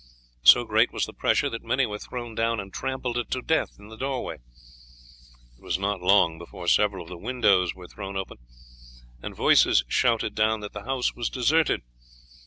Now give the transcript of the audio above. So great was the pressure that many were thrown down and trampled to death in the doorway. It was not long before several of the windows were thrown open and voices shouted down that the house was deserted.